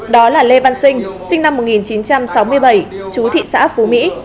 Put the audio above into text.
đó là lê văn sinh sinh năm một nghìn chín trăm sáu mươi bảy chú thị xã phú mỹ